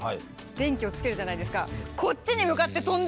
電気をつけるじゃないですか。